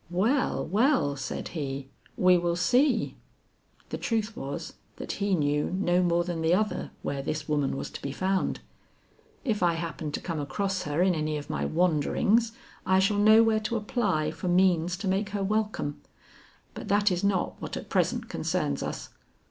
"Well, well," said he, "we will see." The truth was, that he knew no more than the other where this woman was to be found. "If I happen to come across her in any of my wanderings, I shall know where to apply for means to make her welcome. But that is not what at present concerns us.